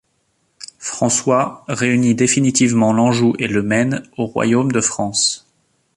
François réunit définitivement l'Anjou et le Maine au Royaume de France.